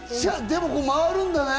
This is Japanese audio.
でも回るんだね。